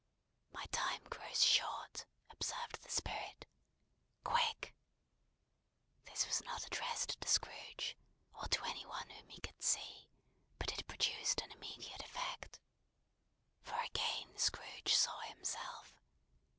"My time grows short," observed the Spirit. "Quick!" This was not addressed to Scrooge, or to any one whom he could see, but it produced an immediate effect. For again Scrooge saw himself.